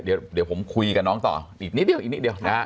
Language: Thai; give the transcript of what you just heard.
เดี๋ยวผมคุยกับน้องต่ออีกนิดเดียว